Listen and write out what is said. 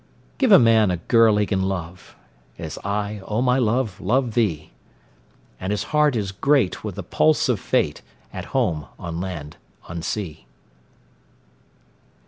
Give a man a girl he can love, As I, O my love, love thee; 10 And his heart is great with the pulse of Fate, At home, on land, on sea.